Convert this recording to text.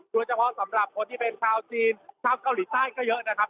โดยเฉพาะสำหรับคนที่เป็นชาวจีนชาวเกาหลีใต้ก็เยอะนะครับ